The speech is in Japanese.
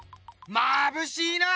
まぶしいな！